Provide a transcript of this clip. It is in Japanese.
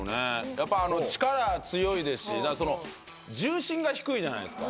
やっぱ力強いですし重心が低いじゃないですか